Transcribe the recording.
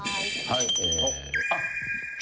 はい。